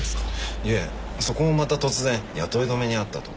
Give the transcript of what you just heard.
いえそこもまた突然雇い止めにあったと。